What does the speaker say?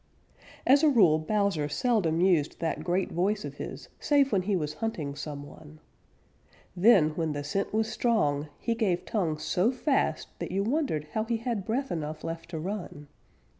As a rule, Bowser seldom used that great voice of his save when he was hunting some one. Then, when the scent was strong, he gave tongue so fast that you wondered how he had breath enough left to run.